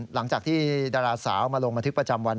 หลังจากที่ดาราสาวมาลงบันทึกประจำวัน